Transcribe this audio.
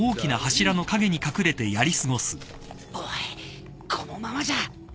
おいこのままじゃ。